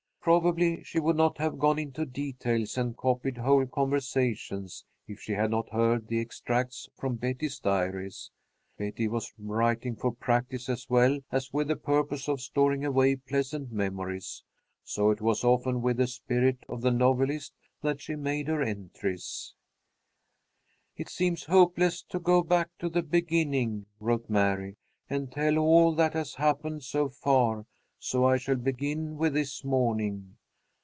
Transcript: Probably she would not have gone into details and copied whole conversations if she had not heard the extracts from Betty's diaries. Betty was writing for practice as well as with the purpose of storing away pleasant memories, so it was often with the spirit of the novelist that she made her entries. "It seems hopeless to go back to the beginning," wrote Mary, "and tell all that has happened so far, so I shall begin with this morning.